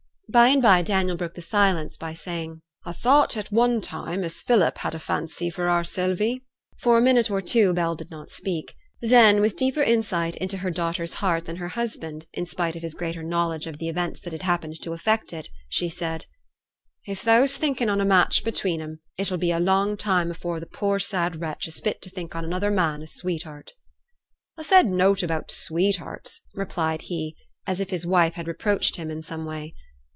By and by Daniel broke the silence by saying, 'A thowt at one time as Philip had a fancy for our Sylvie.' For a minute or two Bell did not speak. Then, with deeper insight into her daughter's heart than her husband, in spite of his greater knowledge of the events that had happened to affect it, she said, 'If thou's thinking on a match between 'em, it 'll be a long time afore th' poor sad wench is fit t' think on another man as sweetheart.' 'A said nought about sweethearts,' replied he, as if his wife had reproached him in some way.